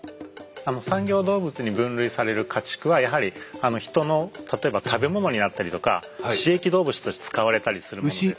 産業動物に分類される家畜はやはり人の例えば食べ物になったりとか使役動物として使われたりするものです。